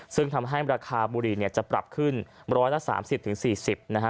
ซึ่งทำให้ราคาบุรีจะปรับขึ้น๑๓๐๔๐บาท